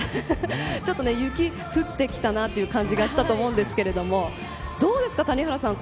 雪降ってきたなという感じがしたと思いますがどうですか、谷原さん